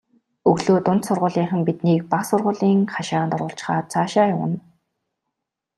Өглөө дунд сургуулийнхан биднийг бага сургуулийн хашаанд оруулчихаад цаашаа явна.